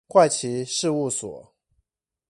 怪奇事物所